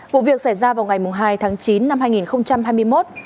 vụ việc xảy ra vào ngày hai tháng chín năm hai nghìn hai mươi một